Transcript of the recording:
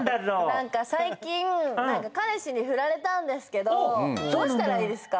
なんか最近彼氏にフラれたんですけどどうしたらいいですか？